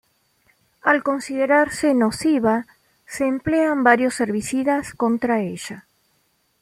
Al considerarse nociva se emplean varios herbicidas contra ella.